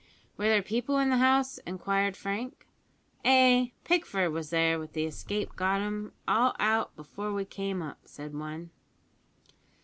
"Were there people in the house?" inquired Frank. "Ay, but Pickford was there with the escape, an' got 'em all out before we came up," said one.